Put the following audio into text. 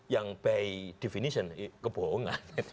yang by definition kebohongan